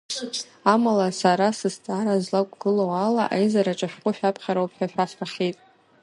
Амала сара, сызҵаара злақәгылоу ала, аизараҿ ашәҟәы шәаԥхьароуп ҳәа шәасҳәахьеит.